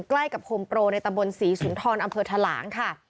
ใกล้กับโฮมโปรในตำบลศรีสุนทรอำเภอทะหลางค่ะ